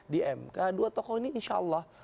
di mk dua tokoh ini insya allah